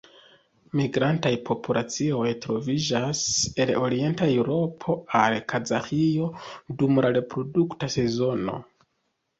Migrantaj populacioj troviĝas el Orienta Eŭropo al Kazaĥio dum la reprodukta sezono.